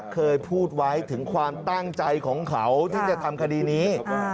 เคยพูดไว้ถึงความตั้งใจของเขาที่จะทำคดีนี้